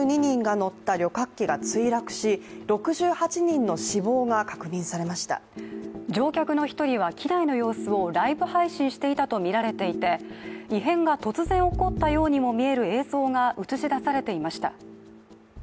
乗客の１人は機内の様子をライブ配信していたとみられていて異変が突然起こったようにも見える映像が映し出されていました。